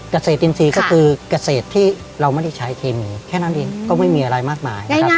เกษตรอินทรีย์ก็คือเกษตรที่เราไม่ได้ใช้เคมีแค่นั้นเองก็ไม่มีอะไรมากมายนะครับ